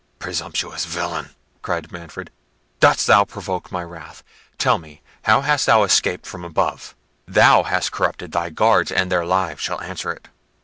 "Presumptuous villain!" cried Manfred; "dost thou provoke my wrath? Tell me, how hast thou escaped from above? Thou hast corrupted thy guards, and their lives shall answer it."